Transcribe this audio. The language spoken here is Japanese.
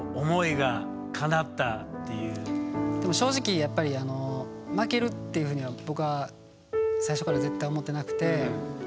正直やっぱり負けるっていうふうには僕は最初から絶対思ってなくて。